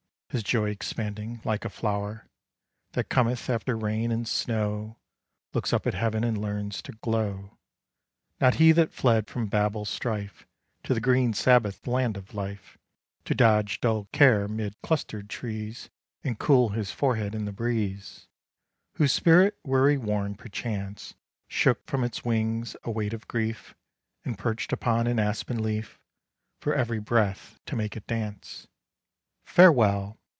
His joy expanding like a flow'r, That cometh after rain and snow, Looks up at heaven, and learns to glow: Not he that fled from Babel strife To the green sabbath land of life, To dodge dull Care 'mid clustered trees, And cool his forehead in the breeze, Whose spirit, weary worn perchance, Shook from its wings a weight of grief, And perch'd upon an aspen leaf, For every breath to make it dance. Farewell!